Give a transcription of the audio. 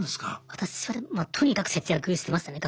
私はとにかく節約してましたね